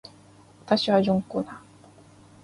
私はジョン・コナー